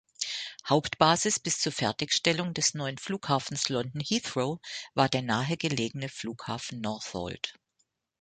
Hauptbasis bis zur Fertigstellung des neuen Flughafens London-Heathrow war der nahegelegene Flughafen Northolt.